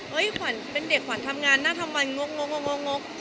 เฮ้ยเป็นเด็กขวัญทำงานต้องทำมางก